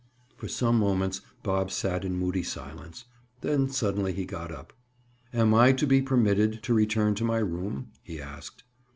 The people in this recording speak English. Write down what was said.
For some moments Bob sat in moody silence. Then suddenly he got up. "Am I to be permitted to return to my room?" he asked.